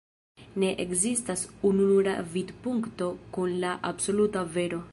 Ne ekzistas ununura vidpunkto kun la absoluta vero.